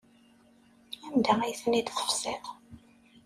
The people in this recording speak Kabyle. Anda ay ten-id-tefsiḍ?